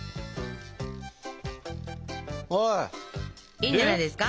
いいんじゃないですか？